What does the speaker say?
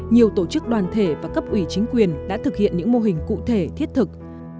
nhiều tổ chức đoàn thể và cấp ủy chính quyền đã thực hiện những mô hình cụ thể thiết thực